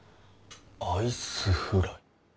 アイスフライ？